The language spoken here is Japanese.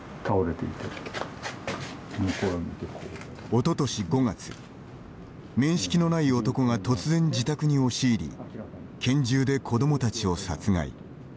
おととし５月面識のない男が突然自宅に押し入り拳銃で子どもたちを殺害。